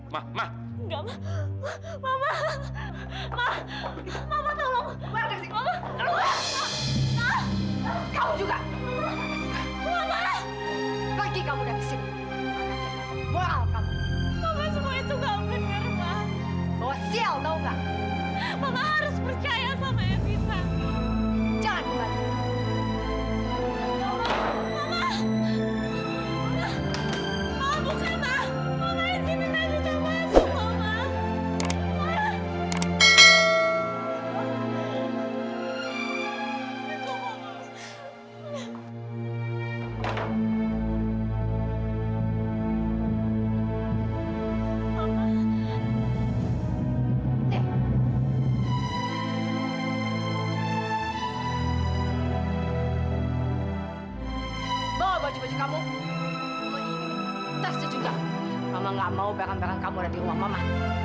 mama gak mau bahkan bahkan kamu datang ke rumah mama